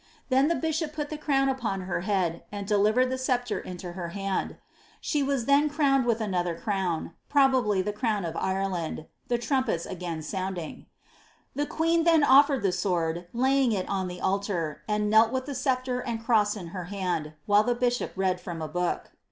Then the bishop put the crown upon her head, and delivered the ■ceplre into her hand. She was then crowned with another crown, — probably the crown of Ireland — the trumpets again sounding. The queen then oflered the sword, laying it on the altar, and knelt with the sceptre and cross in her hand, while the bishop read from a book.